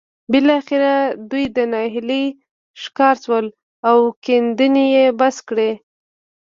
بالاخره دوی د ناهيلۍ ښکار شول او کيندنې يې بس کړې.